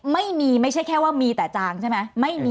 ไม่ใช่แค่ว่ามีแต่จางใช่ไหม